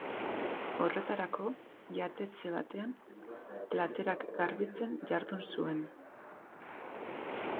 Horretarako, jatetxe batean platerak garbitzen jardun zuen.